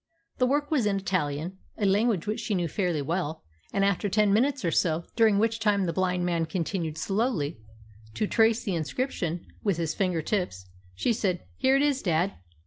The work was in Italian, a language which she knew fairly well; and after ten minutes or so, during which time the blind man continued slowly to trace the inscription with his finger tips, she said, "Here it is, dad.